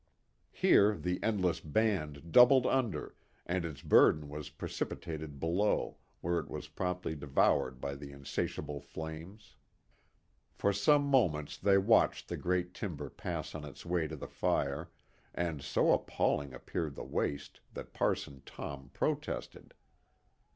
Here the endless band doubled under, and its burden was precipitated below, where it was promptly devoured by the insatiable flames. For some moments they watched the great timber pass on its way to the fire, and so appalling appeared the waste that Parson Tom protested.